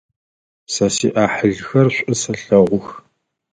Сэ сиӏахьылхэр шӏу сэлъэгъух.